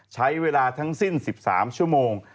ใช้เวลาทั้งสิ้น๑๓ชั่วโมง